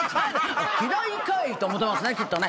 嫌いかいって思ってますねきっとね。